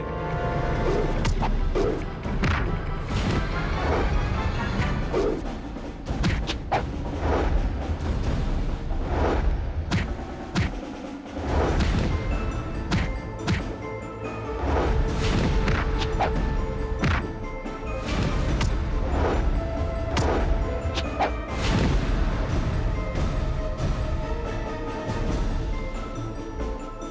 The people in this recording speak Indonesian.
aku akan buktikan